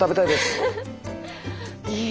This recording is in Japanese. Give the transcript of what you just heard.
いい！